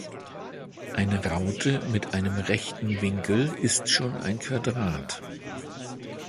Eine Raute mit einem rechten Winkel ist schon ein Quadrat.